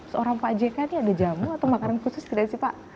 seorang pak jk ini ada jamu atau makanan khusus tidak sih pak